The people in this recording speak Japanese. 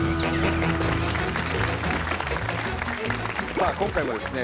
さあ今回もですね